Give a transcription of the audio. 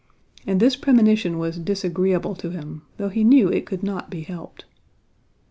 And this premonition was disagreeable to him though he knew it could not be helped.